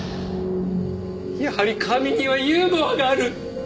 やはり神にはユーモアがある！